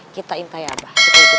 kita intai abah